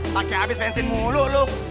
pakai abis bensin mulu lu